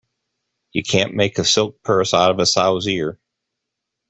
You can't make a silk purse out of a sow's ear.